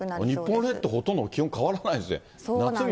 日本列島、ほとんど気温、変わらないですね。